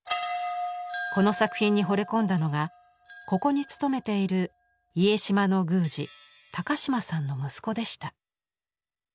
この作品にほれ込んだのがここに勤めている家島の宮司島さんの息子でした。